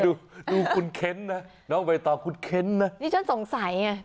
ดูดูคุณเค้นนะแล้วไปต่อคุณเค้นนะนี่ฉันสงสัยเนี่ย